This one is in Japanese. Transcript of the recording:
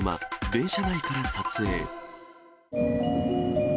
電車内から撮影。